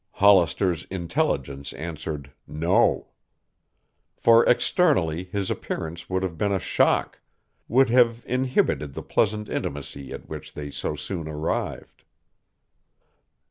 Hollister's intelligence answered "No." For externally his appearance would have been a shock, would have inhibited the pleasant intimacy at which they so soon arrived.